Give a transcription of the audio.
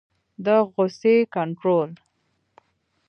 د غصې کنټرول